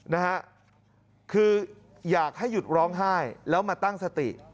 นะฮะคืออยากให้หยุดร้องไห้แล้วมาตั้งสติ